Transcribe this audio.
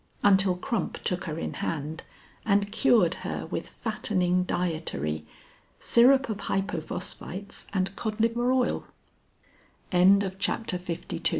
Until Crump took her in hand and cured her with fattening dietary, syrup of hypophosphites and cod liver oil.) THE EPILOGUE.